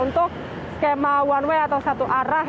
untuk skema one way atau satu arah